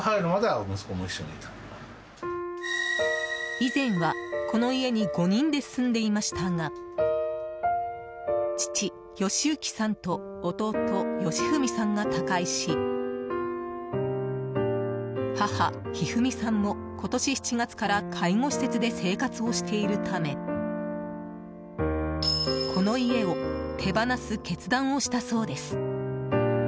以前はこの家に５人で住んでいましたが父・吉行さんと弟・吉文さんが他界し母・一二三さんも、今年７月から介護施設で生活をしているためこの家を手放す決断をしたそうです。